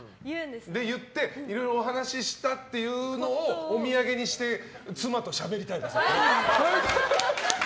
言っていろいろお話ししたっていうのをお土産にして妻としゃべりたい。